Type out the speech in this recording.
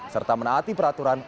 serta menaati peraturan